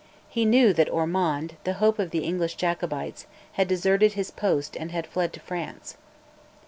He knew that Ormonde, the hope of the English Jacobites, had deserted his post and had fled to France.